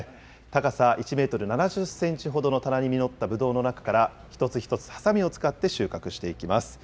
高さ１メートル７０センチほどの棚に実ったぶどうの中から、一つ一つはさみを使って収穫していきます。